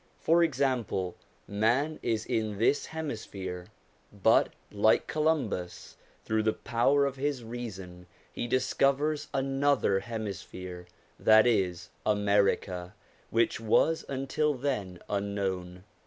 For example, man is in this hemi sphere, but, like Columbus, through the power of his reason he discovers another hemisphere, that is America, which was until then unknown.